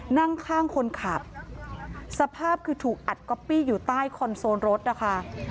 นั่งข้างคนขับสภาพคือถูกอัดก๊อปปี้อยู่ใต้คอนโซลรถนะคะ